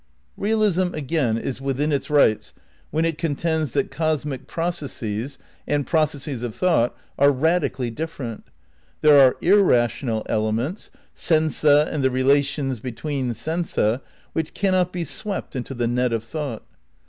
^ Eealism, again, is within its rights when it contends that cosmic processes and processes of thought are radically different. There are irrational elements, sensa and the relations between' sensa, which cannot be swept into the net of thought.